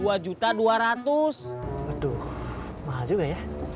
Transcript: aduh mahal juga ya